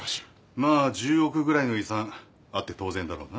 まあ１０億ぐらいの遺産あって当然だろうな。